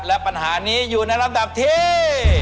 และปัญหานี้อยู่ในลำดับที่